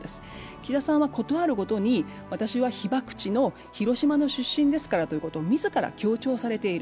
岸田さんはことあるごとに、私は被爆地の広島の出身ですからということを自ら強調されている。